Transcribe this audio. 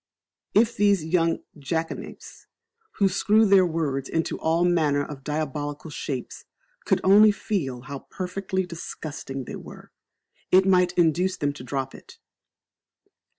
If these young jackanapes, who screw their words into all manner of diabolical shapes, could only feel how perfectly disgusting they were, it might induce them to drop it.